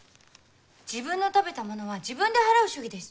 自分の食べたものは自分で払う主義です。